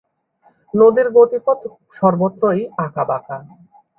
নদীর গতিপথ সর্বত্রই অাঁকা-বাঁকা।